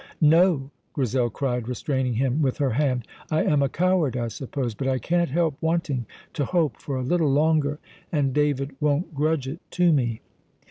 "No!" Grizel cried, restraining him with her hand. "I am a coward, I suppose, but I can't help wanting to hope for a little longer, and David won't grudge it to me."